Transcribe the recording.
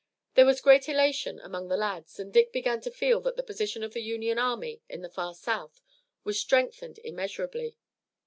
There was great elation among the lads and Dick began to feel that the position of the Union army in the far South was strengthened immeasurably.